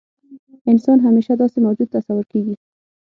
انسان همیشه داسې موجود تصور کېږي.